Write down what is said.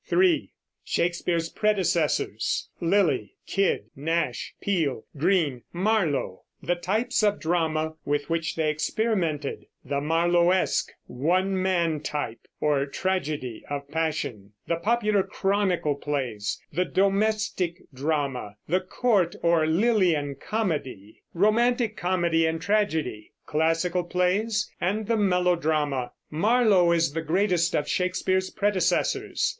(3) Shakespeare's Predecessors, Lyly, Kyd, Nash, Peele, Greene, Marlowe; the types of drama with which they experimented, the Marlowesque, one man type, or tragedy of passion, the popular Chronicle plays, the Domestic drama, the Court or Lylian comedy, Romantic comedy and tragedy, Classical plays, and the Melodrama. Marlowe is the greatest of Shakespeare's predecessors.